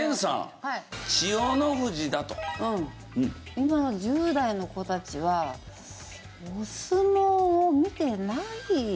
今の１０代の子たちはお相撲を見てない。